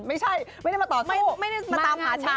ไม่ได้มาต่อสู้ไม่ได้มาตามหาช้าง